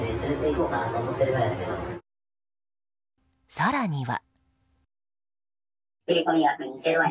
更には。